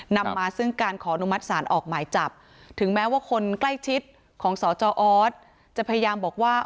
นำมาซึ่งการขอนุมัติศาลออกหมายจับถึงแม้ว่าคนใกล้ชิดของสจออสจะพยายามบอกว่า